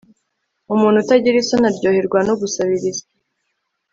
umuntu utagira isoni aryoherwa no gusabiriza